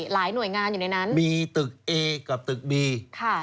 หลายหน่วยงานอยู่ในนั้นมีตึกเอกับตึกบีค่ะ